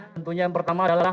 tentunya yang pertama adalah